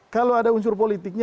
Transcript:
kalau ada unsur politiknya